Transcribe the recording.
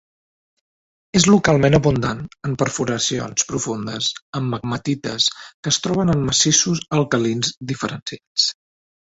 És localment abundant en perforacions profundes en pegmatites que es troben en massissos alcalins diferenciats.